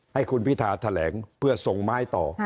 ให้คุณพิธาแถลงเพื่อส่งไม้ต่อ